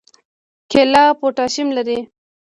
کیله پوټاشیم لري